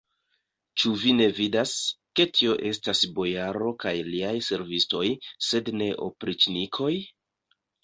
Ĉu vi ne vidas, ke tio estas bojaro kaj liaj servistoj, sed ne opriĉnikoj?